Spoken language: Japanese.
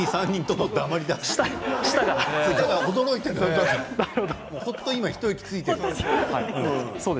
ほっと一息ついている。